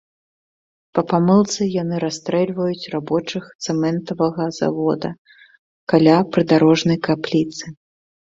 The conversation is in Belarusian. Па памылцы яны расстрэльваюць рабочых цэментавага завода каля прыдарожнай капліцы.